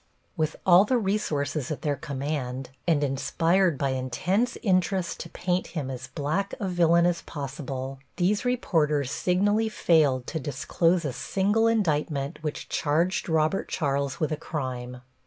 With all the resources at their command, and inspired by intense interest to paint him as black a villain as possible, these reporters signally failed to disclose a single indictment which charged Robert Charles with a crime.